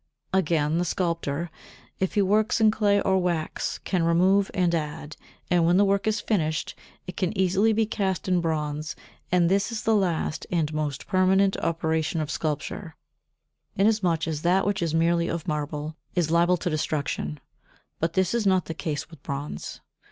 Again, the sculptor, if he works in clay or wax, can remove and add, and when the work is finished it can be easily cast in bronze, and this is the last and most permanent operation of sculpture, inasmuch as that which is merely of marble is liable to destruction, but this is not the case with bronze.